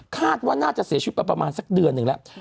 คาดว่าน่าจะเสียชีวิตมาประมาณสักเดือนหนึ่งแล้ว